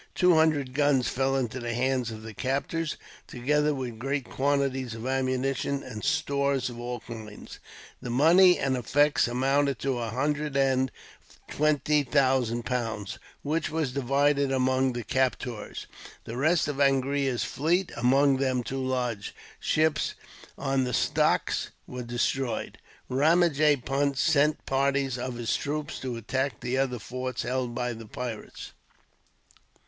Two hundred guns fell into the hands of the captors, together with great quantities of ammunition, and stores of all kinds. The money and effects amounted to a hundred and twenty thousand pounds, which was divided among the captors. The rest of Angria's fleet, among them two large ships on the stocks, was destroyed. Ramajee Punt sent parties of his troops to attack the other forts held by the pirates.